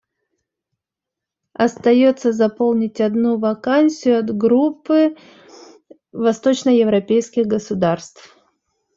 Остается заполнить одну вакансию от Группы восточноевропейских государств.